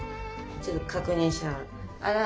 ちょっと確認しながら。